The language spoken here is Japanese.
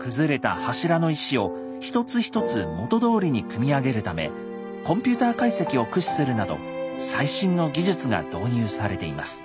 崩れた柱の石を一つ一つ元どおりに組み上げるためコンピューター解析を駆使するなど最新の技術が導入されています。